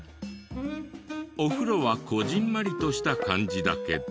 お風呂はこぢんまりとした感じだけど。